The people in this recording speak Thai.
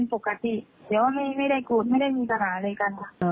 ของปุ่มเรามาดูอย่างแบบนี้